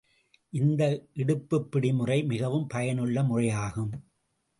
இந்த இடுப்புப் பிடி முறை மிகவும் பயனுள்ள முறையாகும்.